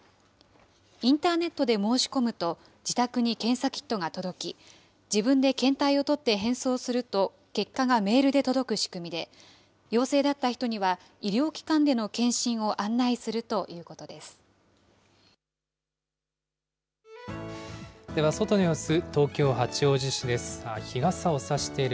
インターネットで申し込むと、自宅に検査キットが届き、自分で検体を採って返送すると、結果がメールで届く仕組みで、陽性だった人には医療機関での検診を案内するということです。